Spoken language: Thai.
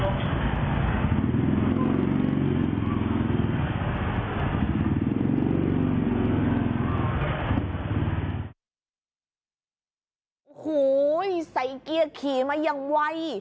โอ้โหใส่เกียร์ขี่มาอย่างไว